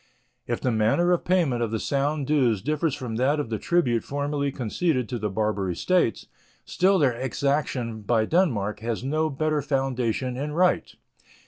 If the manner of payment of the Sound dues differ from that of the tribute formerly conceded to the Barbary States, still their exaction by Denmark has no better foundation in right.